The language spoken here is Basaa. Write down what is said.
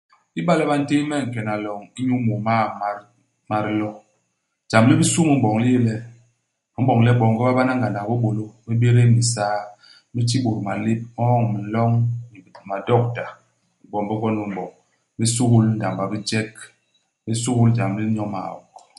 Iba le ba ntéé me nkena loñ inyu 30 ma di ma dilo, jam li bisu me m'boñ li yé le, me m'boñ le boonge ba bana ngandak i bibôlô. Me bédés minsaa. Me ti bôt malép, me oñ minloñ ni madokta. Igwom bi gwom me m'boñ. Me suhul ndamba i bijek. Me suhul jam li inyo maok.